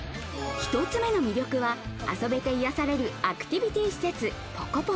１つ目の魅力は遊べて癒されるアクティビティー施設ＰＯＫＯＰＯＫＯ。